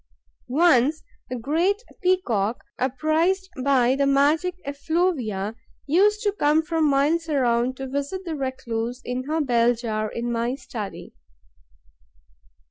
Once, the Great Peacock, apprised by the magic effluvia, used to come from miles around to visit the recluse in her bell jar in my study.